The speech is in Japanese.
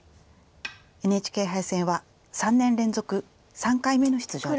ＮＨＫ杯戦は３年連続３回目の出場です。